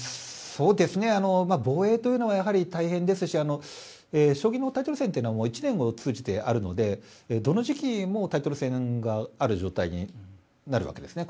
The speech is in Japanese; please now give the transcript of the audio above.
防衛というのは大変ですし将棋のタイトル戦というのは１年を通じてあるのでどの時期もタイトル戦がある状態になるわけですね